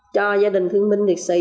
cho gia đình thương minh liệt sĩ